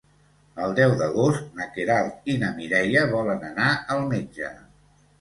El deu d'agost na Queralt i na Mireia volen anar al metge.